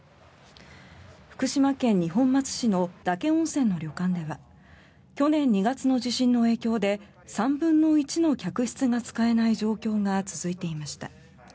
福島県二本松市の岳温泉の旅館では去年２月の地震の影響で３分の１の客室が使えない状況が続いていました。